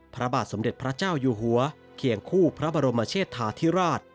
พระบาทสมเด็จพระเจ้าอยู่หัวเคียงคู่พระบรมเชษฐาธิราช